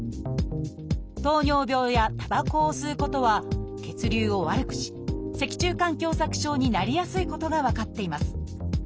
「糖尿病」や「たばこを吸うこと」は血流を悪くし脊柱管狭窄症になりやすいことが分かっています。